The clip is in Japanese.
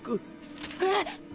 えっ！